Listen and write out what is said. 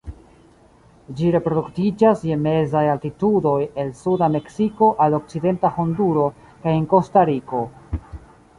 Ĝi reproduktiĝas je mezaj altitudoj el suda Meksiko al okcidenta Honduro kaj en Kostariko.